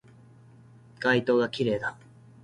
街灯が綺麗だ